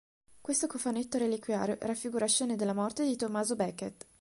Questo cofanetto reliquiario raffigura scene della morte di Tommaso Becket.